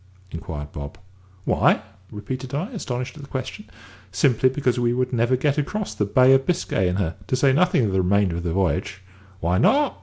inquired Bob. "Why?" repeated I, astonished at the question. "Simply because we should never get across the Bay of Biscay in her, to say nothing of the remainder of the voyage." "Why not?"